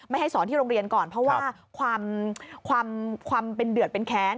ให้สอนที่โรงเรียนก่อนเพราะว่าความเป็นเดือดเป็นแค้น